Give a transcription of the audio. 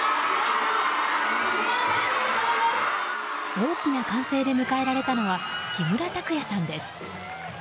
大きな歓声で迎えられたのは木村拓哉さんです。